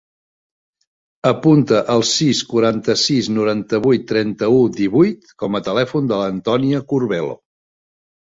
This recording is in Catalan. Apunta el sis, quaranta-sis, noranta-vuit, trenta-u, divuit com a telèfon de l'Antònia Curbelo.